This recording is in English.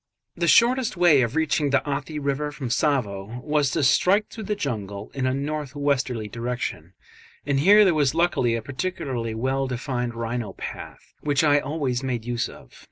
The shortest way of reaching the Athi river from Tsavo was to strike through the jungle in a north westerly direction, and here there was luckily a particularly well defined rhino path which I always made use of.